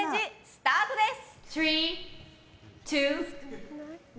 スタートです。